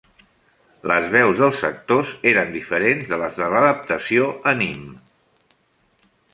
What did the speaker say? Les veus dels actors eren diferents de les de l'adaptació anime.